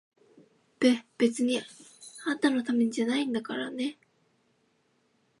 べ、別にあんたのためじゃないんだからね！